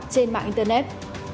trên mạng internet